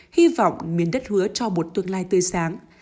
hy vọng miền đất hứa cho một tương lai tươi sáng